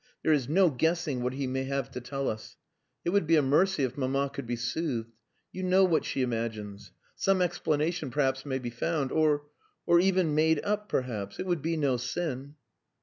There is no guessing what he may have to tell us. It would be a mercy if mamma could be soothed. You know what she imagines. Some explanation perhaps may be found, or or even made up, perhaps. It would be no sin."